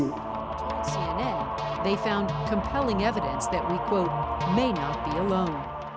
cnn mereka menemukan bukti yang membuat kita mengatakan mungkin tidak bersendirian